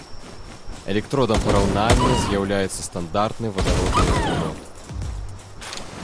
Электродам параўнання з'яўляецца стандартны вадародны электрод.